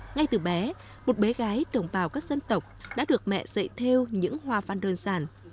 ngay từ bé một bé gái đồng bào các dân tộc đã được mẹ dạy theo những hoa văn đơn giản